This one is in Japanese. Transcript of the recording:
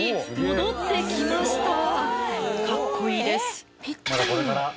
かっこいいです。